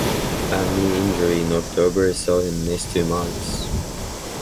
A knee injury in October saw him miss two months.